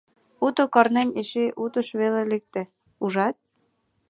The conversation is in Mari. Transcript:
— Уто корнем эше утыш веле лекте, ужат?